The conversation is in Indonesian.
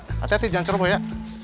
hati hati jangan cerumu ya